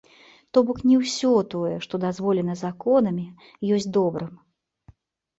То бок не ўсё тое, што дазволена законамі, ёсць добрым.